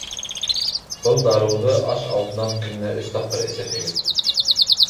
Был дарыуҙы аш алдынан көнөнә өс тапҡыр эсерһегеҙ.